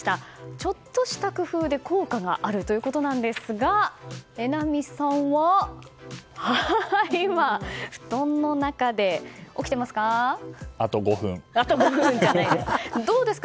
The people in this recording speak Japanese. ちょっとした工夫で効果があるということなんですが榎並さんは今、布団の中で起きていますか？